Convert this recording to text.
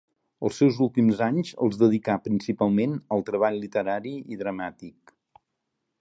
Els seus últims anys els dedicà principalment al treball literari i dramàtic.